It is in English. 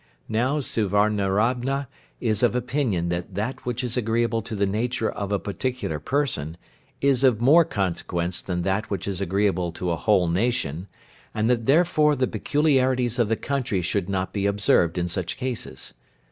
Now Suvarnanabha is of opinion that that which is agreeable to the nature of a particular person, is of more consequence than that which is agreeable to a whole nation, and that therefore the peculiarities of the country should not be observed in such cases.